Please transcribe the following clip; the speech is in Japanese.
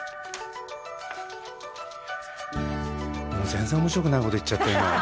全然面白くないこと言っちゃった今。